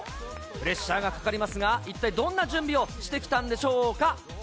プレッシャーがかかりますが、一体どんな準備をしてきたんでしょうか。